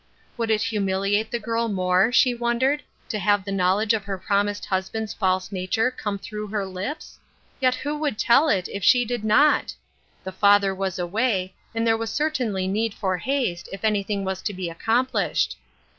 Would it humiliate the girl more, she wondered, to have the knowledge of her promised husband's false nature come through her lips ? Yet who could tell it if she did not ? The father was away, and there was certainly need for haste, if anything was to be accomplished.